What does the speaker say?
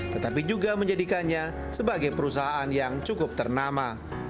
tetapi juga menjadikannya sebagai perusahaan yang cukup ternama